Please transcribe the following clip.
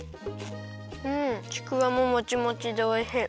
ちくわももちもちでおいしい。